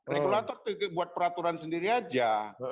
regulator buat peraturan sendiri aja